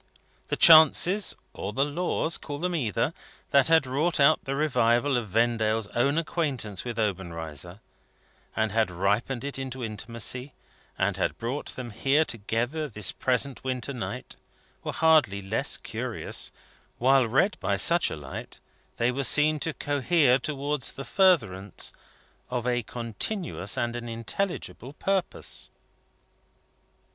The chances, or the laws call them either that had wrought out the revival of Vendale's own acquaintance with Obenreizer, and had ripened it into intimacy, and had brought them here together this present winter night, were hardly less curious; while read by such a light, they were seen to cohere towards the furtherance of a continuous and an intelligible purpose.